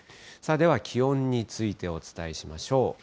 では気温について、お伝えしましょう。